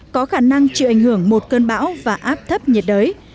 có khả năng chịu ảnh hưởng một cơn bão và áp thấp nhiệt đới